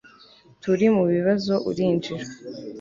Turi mubibazo Urinjira